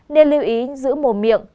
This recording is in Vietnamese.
nên lưu ý giữ mồm miệng